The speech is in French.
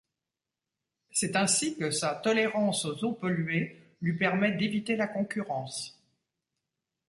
Ceci ainsi que sa tolérance aux eaux polluées lui permet d’éviter la concurrence.